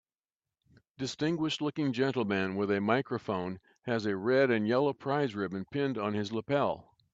Distinguished looking gentleman with a microphone has a red and yellow prize ribbon pinned on his lapel.